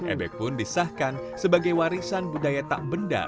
ebek pun disahkan sebagai warisan budaya tak benda